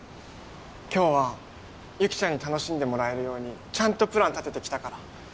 今日は雪ちゃんに楽しんでもらえるようにちゃんとプラン立ててきたから。